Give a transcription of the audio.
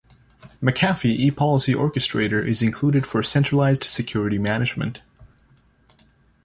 McAfee ePolicy Orchestrator is included for centralized security management.